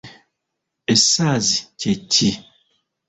Essaazi kye ki?